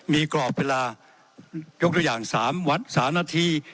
มีกรอบเวลายกตัวอย่าง๓วัด๓นาที